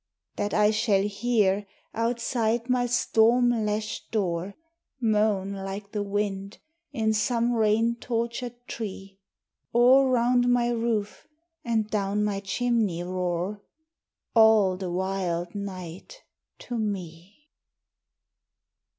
That I shall hear, outside my storm lashed door, Moan like the wind in some rain tortured tree; Or round my roof and down my chimney roar All the wild night to me.